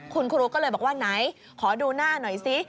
คุณครูก็เลยบอกว่าไหนขอดูหน้าหน่อยซิ